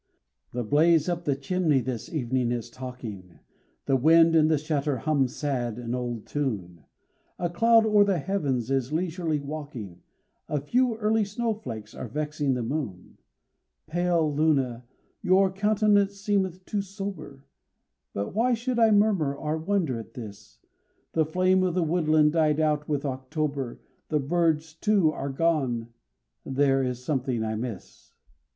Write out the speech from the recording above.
The blaze up the chimney this evening is talking, The wind and the shutter hum sad an old tune, A cloud o'er the heavens is leisurely walking, A few early snowflakes are vexing the moon. Pale Luna! your countenance seemeth too sober, But why should I murmur or wonder at this? The flame of the woodland died out with October, The birds, too, are gone there is something I miss.